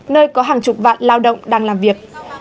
nơi có hàng chục vạn lao động đang làm việc